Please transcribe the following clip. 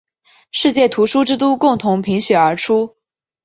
世界图书之都共同评选而出。